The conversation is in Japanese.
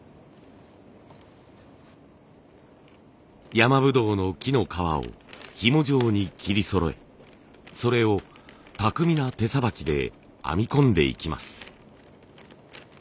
山ぶどうの木の皮をひも状に切りそろえそれを巧みな手さばきで編み込んでいきます。